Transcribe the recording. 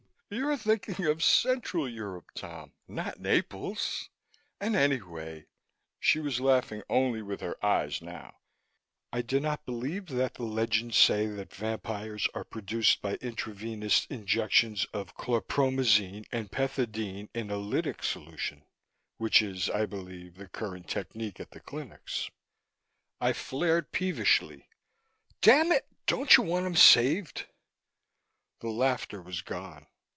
"You're thinking of Central Europe, Tom, not Naples. And anyway " she was laughing only with her eyes now "I do not believe that the legends say that vampires are produced by intravenous injections of chlorpromazine and pethidine in a lytic solution which is, I believe, the current technique at the clinics." I flared peevishly: "Damn it, don't you want him saved?" The laughter was gone.